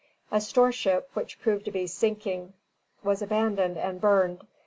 A storeship which proved to be sinking was abandoned and burned.